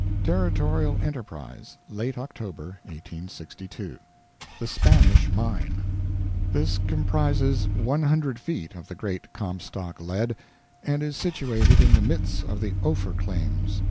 Territorial Enterprise, late October, 1862 THE SPANISH MINE This comprises one hundred feet of the great Comstock lead, and is situated in the midst of the Ophir claims.